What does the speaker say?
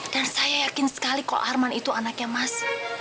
dan saya yakin sekali kok arman itu anaknya mas